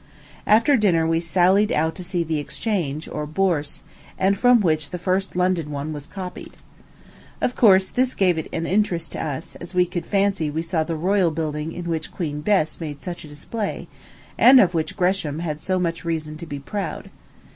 After dinner we sallied out to see the Exchange, or Bourse, and from which the first London one was copied. Of course, this gave it an interest to us, as we could fancy we saw the royal building in which Queen Bess made such a display, and of which Gresham had so much reason to be proud.